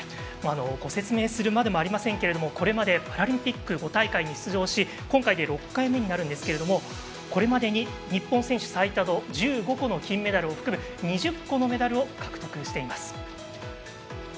ご説明するまでもありませんがこれまでパラリンピック５大会に出場し今回で６回目になりますがこれまでに日本選手、最多の１５個の金メダルを含む２０個のメダルを獲得しています。